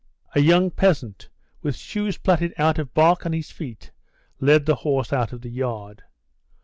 A young peasant, with shoes plaited out of bark on his feet, led the horse out of the yard.